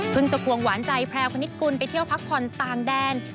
จะควงหวานใจแพรวคณิตกุลไปเที่ยวพักผ่อนต่างแดน